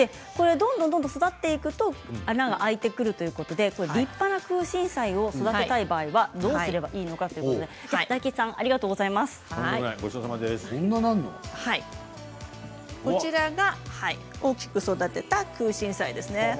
どんどん育っていくと穴が開いてくるということで立派なクウシンサイを育てたい場合はどうすればいいのかということで大吉さんありがとうございます。